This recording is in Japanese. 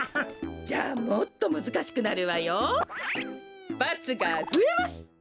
じゃあもっとむずかしくなるわよ。×がふえます。